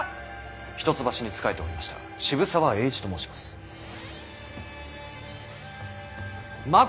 一橋に仕えておりました渋沢栄一と申します。